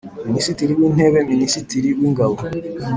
Minisitiri w Intebe Minisitiri w Ingabo